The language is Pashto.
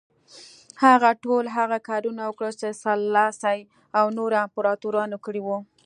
هغه ټول هغه کارونه وکړل چې سلاسي او نورو امپراتورانو کړي وو.